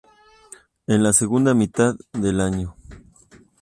En la segunda mitad del año.